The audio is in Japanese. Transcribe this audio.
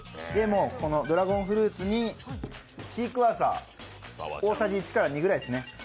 ドラゴンフルーツにシークヮーサー大さじ１から２ぐらいを。